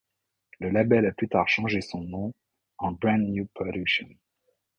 Le label a plus tard changé son nom en Brand New Production.